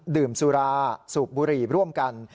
ดื่มสุราสูบบุหรี่ร่วมกัน